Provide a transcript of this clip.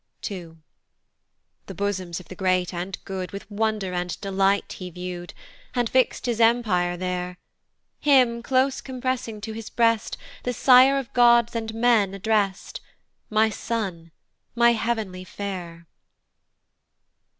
II. The bosoms of the great and good With wonder and delight he view'd, And fix'd his empire there: Him, close compressing to his breast, The sire of gods and men address'd, "My son, my heav'nly fair!